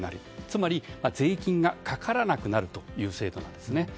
つまり、税金がかからなくなるという制度なんですね。